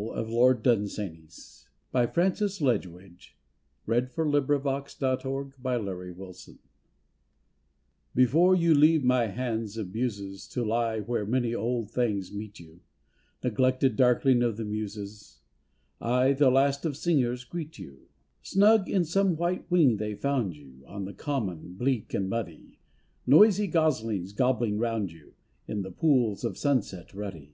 228 LAST SONGS TO AN OLD QUILL OF LORD DUNSANY'S Before you leave my hands' abuses To lie where many odd things meet you, Neglected darkling of the Muses, I, the last of singers, greet you. Snug in some white wing they found you, On the Common bleak and muddy, Noisy goslings gobbling round you In the pools of sunset, ruddy.